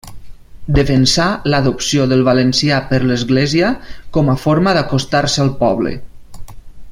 Defensà l'adopció del valencià per l'església com a forma d'acostar-se al poble.